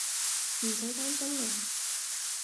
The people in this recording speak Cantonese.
唔使擔心我